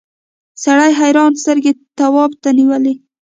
سړي حیرانې سترګې تواب ته نیولې.